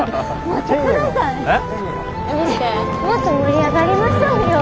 もっと盛り上がりましょうよ。